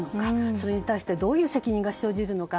それに対して、どういう責任が生じるのか。